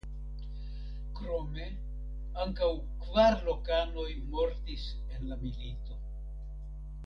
Krome ankaŭ kvar lokanoj mortis en la milito.